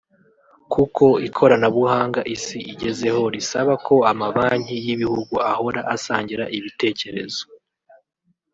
kuko ikoranabuhanga isi igezeho risaba ko amabanki y’ibihugu ahora asangira ibitekerezo